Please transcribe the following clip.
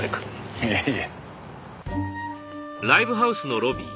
いえいえ。